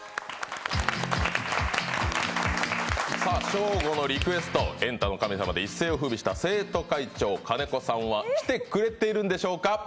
ショーゴのリクエスト「エンタの神様」で一世をふうびした生徒会長金子さんは来てくれているんでしょうか。